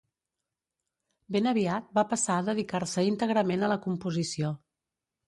Ben aviat va passar a dedicar-se íntegrament a la composició.